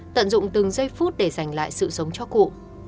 tận dụng từng giây phút để dành lại sự sống cho cụ